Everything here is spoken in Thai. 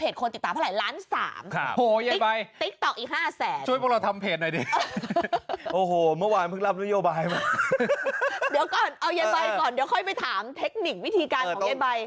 เดี๋ยวก่อนเอายายใบก่อนเดี๋ยวค่อยไปถามเทคนิควิธีการของยายใบ